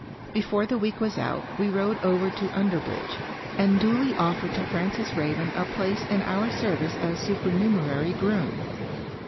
Before the week was out we rode over to Underbridge, and duly offered to Francis Raven a place in our service as supernumerary groom.